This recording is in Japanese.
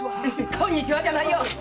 「こんにちは」じゃないよ！